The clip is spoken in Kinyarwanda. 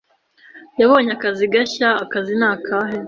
" yabonye akazi gashya." "Akazi ni akahe?"